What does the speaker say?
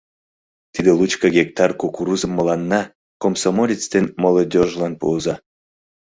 — Тиде лучко гектар кукурузым мыланна, комсомолец ден молодёжьлан пуыза.